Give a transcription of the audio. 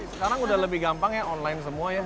sekarang udah lebih gampang ya online semua ya